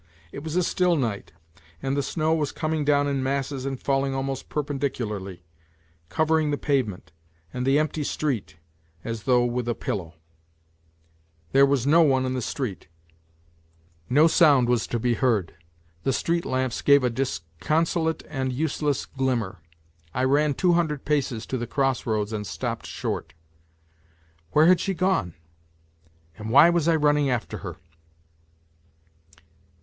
It was a still night and the snow was coming down in masses and falling almost perpendicularly, covering the pavement and the empty street as though with a pillow. There was no one in NOTES FROM UNDERGROUND 153 the street, no sound was to be heard. The street lamps gave a disconsolate and useless glimmer. I ran two hundred paces to the cross roads and stopped short. Where had she gone ? And why was I running after her